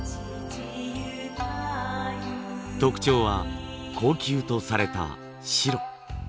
特徴は高級とされた白。